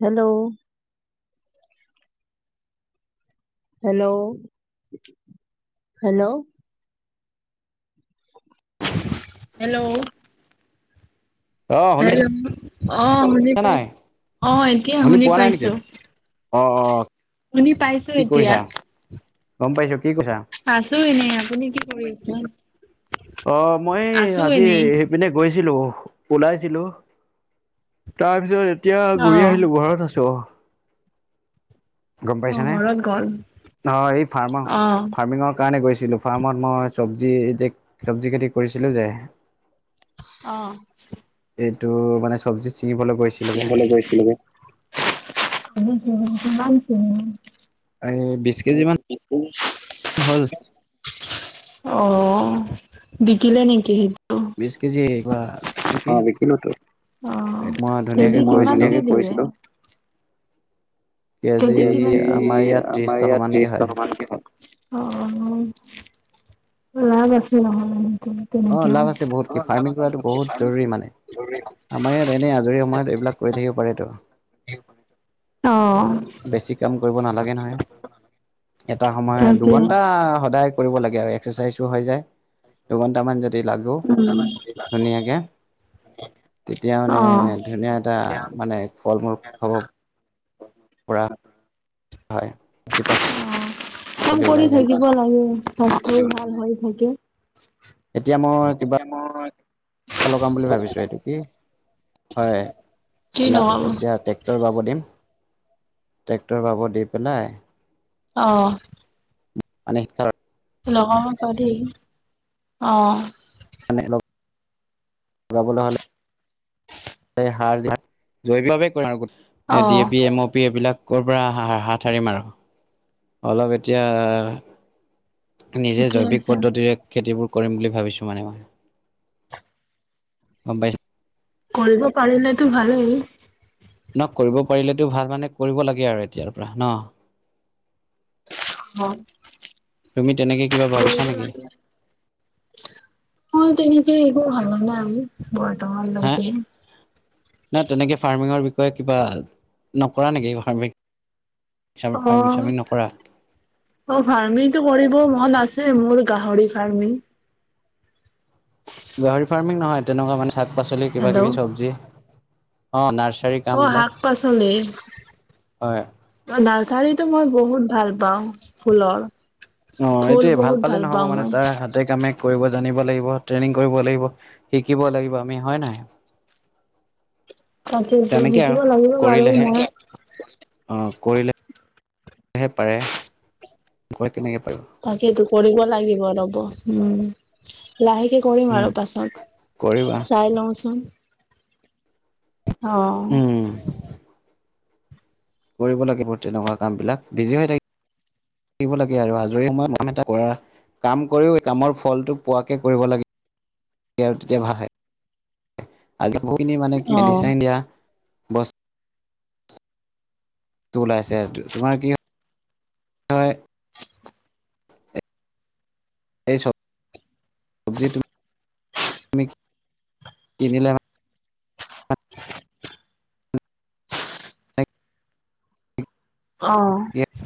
Hello. Hello hello hello. অ শুনি পাইছা [unintelligible] অ শুনি পাই নাই অ এতিয়া শুনি পোৱা নাই নেকি পাইছো অ অ শুনি পাইছো কি এতিয়া। কৰিছা গম পাইছো। কি কৈছা আছো এনেই। আপুনি কি কৰি আছে? অ মই আছো আজি এনেই এইপিনে গৈছিলো। ওলাইছিলো তাৰপিছত এতিয়া অ ঘূৰি আহিলো ঘৰত আছোঁ, অহ। গম অ পাইছা নে, ঘৰত গ'ল অ এই ফাৰ্মা অ ফাৰ্মিঙৰ কাৰণে গৈছ- ফাৰ্মত মই চবজি চবজি খেতি কৰিছিলো যে। অহ। এইটো মানে চবজি ছিঙিবলৈ গৈছিলো গে। উম কিমান ছিঙিলি। এই বিশ কেজি উম মান বিশ কেজিছ হ'ল অ বিকিলে নেকি? সেইটো বিশ কেজি একবা কি? অ মই [unintelligible] ধুনীয়াকে কছিলোঁ। কেজি কিমানে আমাৰ দিয়ে? ইয়াত ত্ৰিশ কেজি আমাৰ টকামানকে হয় ইয়াত ত্ৰিশ টকা মান কে হ'ল। অ লাভ আছে নহলে। অ তেনেকেও লাভ আছে বহুত কি ফাৰ্মিং কৰাটো বহুত জৰুৰী মানে। আমাৰ ইয়াত এনেই আজৰি সময়ত এইবিলাক কৰি থাকিব পাৰে ত। অ। বেছি কাম কৰিব নালাগে নহয়। এটা সময় তাকে দুঘন্টা সদায় কৰিব লাগে আৰু [unintelligible] [unintelligible] হৈ যায় দুঘণ্টামান যদি লাগো ধুনীয়াকে। তেতিয়া অ'। মানে ধুনীয়া এটা মানে ফল মূল খাব পৰা [unintelligible] হয়। যি অ কাম পাচলি কৰি ওলাই যায় থাকিব লাগে স্বাস্থ্য ভাল হৈ থাকে। এতিয়া মই কিবা লগাম বুলি ভাবিছো এইটো কি হয় কি লাইছ লগাব এতিয়া ট্ৰেক্টৰ বাব দিম। টেক্টৰ বাব দি পেলাই অহ। মানে কাৰ লগৰ হওঁক ততি অ লগাবলে হ'লে সে সাৰ ঝাৰ জৈৱিকভাৱে কৰিম আৰু D O. A P L, M O P এইবিলাক ক'ৰ পৰা হা হাত সাৰিম আৰু অলপ এতিয়া নিজে ঠিকে জৈৱিক আছে, পদ্ধতিৰে খেতিবোৰ কৰিম বুলি ভাবিছোঁ মানে মই। গম পাইছ- কৰিব পাৰিলেতো ভালেই। ন কৰিব পাৰিলেটো ভাল মানে কৰিব লাগে আৰু এতিয়াৰ পৰা ন। অ'। তুমি তেনেকে কিবা কৰিব ভাবিছা নেকি? কয় তেনেকে এইবোৰ [unintelligible] হা বৰ্তমানলৈকে। ন তেনেকে ফাৰ্মিঙৰ বিষয়ে কিবা নকৰা নেকি ফাৰ্মিং? অ ফাৰ্মিং চাৰ্মিং নকৰা অ ফাৰ্মিটো কৰিব মন আছ- যে মোৰ গাহৰি ফাৰ্মিং। গাহৰি ফাৰ্মিং নহয় তেনেকুৱা মানে শাক পাচলি কিবা হেল্ল' কিবি চব্জি। অ নাৰ- অ হক পাচলি? হয় নাৰ্চাৰী টো মই বহুত ভাল পাওঁ ফুলৰ। অ ফুল এইটোয়ে ভাল বহুত পালে নহব পাওঁ মানে মই তাৰ হাতে কামে কৰিব জানিব লাগিব ট্ৰেইনিং কৰিব লাগিব শিকিব লাগিব আমি হয় নাই? তাকেতো তেনেকে শিকিব আৰু লাগিব বাৰু কৰিলেহে মই অ। কৰিলেহে পাৰে। কেনেকে পাৰিব তাকেইটো কৰিব লাগিব ৰ'ব উম। লাহেকে কৰিম উম আৰু কৰিবা পাছত চাই লওঁচোন। অহ। উম কৰিব লাগিব তেনেকুৱা কাম বিলাক বিজি হৈ থাকিব। থাকিব লাগে আৰু আজৰি সময়ত মাম এটা কৰা। কাম কৰিও এই কামৰ ফলটো পোৱাকে কৰিব লাগে আৰু তেতিয়া ভাল হয়। আজি বহুতখিনি মানে অ মেডিচিন দিয়া বস্ত- টো ওলাইছে তোমাৰ কি হয় এই চব চবজি [unintelligible] কিনিলে। অহ। মানে